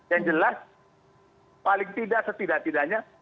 yang jelas paling tidak setidak tidaknya